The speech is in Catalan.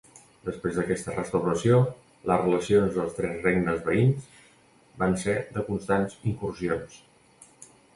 Després d'aquesta restauració, les relacions dels tres regnes veïns van ser de constants incursions.